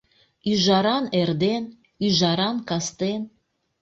Ӱжаран эрден, ӱжаран кастен